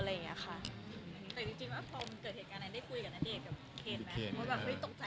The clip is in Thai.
ไม่คิดว่าอย่าตกใจนะ